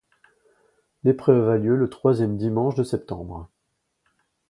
L'épreuve a lieu le troisième dimanche de septembre.